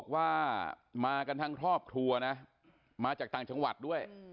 ว่ามากันทั้งครอบครัวนะมาจากต่างจังหวัดด้วย